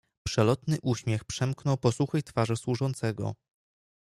"Przelotny uśmiech przemknął po suchej twarzy służącego."